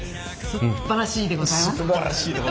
すっばらしいでございますね。